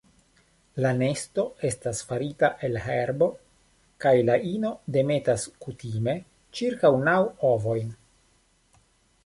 La nesto estas farita el herbo kaj la ino demetas kutime ĉirkaŭ naŭ ovojn.